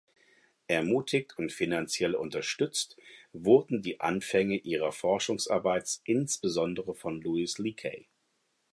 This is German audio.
Ermutigt und finanziell unterstützt wurden die Anfänge ihrer Forschungsarbeit insbesondere von Louis Leakey.